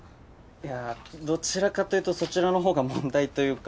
いやどちらかというとそちらのほうが問題というか。